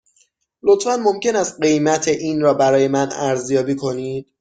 لطفاً ممکن است قیمت این را برای من ارزیابی کنید؟